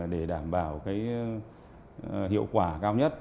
để đảm bảo hiệu quả cao nhất